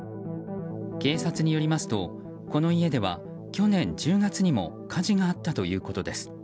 警察によりますと、この家では去年１０月にも火事があったということです。